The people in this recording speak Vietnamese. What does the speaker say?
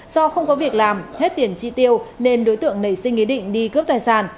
do không có việc làm hết tiền chi tiêu nên đối tượng nảy sinh ý định đi cướp tài sản